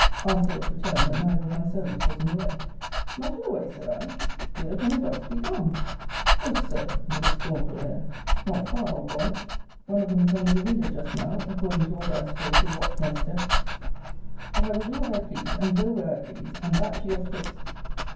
Answer was returned, that neither of my servants was in the way. Not in the way, said I! Whither can the dogs be gone? O Sir! with a scornful air; not far, I'll warrant. One of them was under the window just now; according to order, I suppose, to watch my steps but I will do what I please, and go where I please; and that to your face.